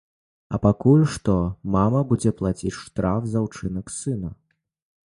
А пакуль што мама будзе плаціць штраф за ўчынак сына.